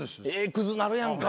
クズなるやんか。